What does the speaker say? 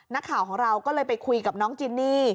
นักข่าวของเราก็เลยไปคุยกับน้องจินนี่